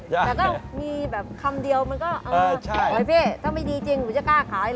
แต่ก็มีแบบคำเดียวมันก็อ่าวเข้ถ้าไม่ดีจริงผมจะกล้าขายเหรอ